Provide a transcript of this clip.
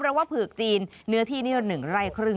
เพราะว่าเผือกจีนเนื้อที่นี่เรา๑ไร่ครึ่ง